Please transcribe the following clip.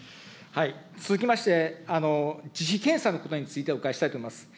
続きまして、自費検査のことについてお伺いしたいと思います。